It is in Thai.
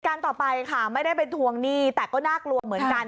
การต่อไปค่ะไม่ได้ไปทวงหนี้แต่ก็น่ากลัวเหมือนกัน